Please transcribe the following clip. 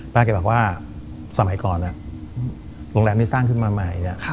ป้าแกบอกว่าสมัยก่อนอะโรงแรมนี้สร้างขึ้นมาใหม่นะ